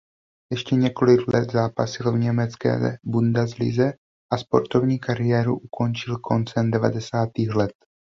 Ještě několik let zápasil v německé bundeslize a sportovní kariéru ukončil koncem devadesátých let.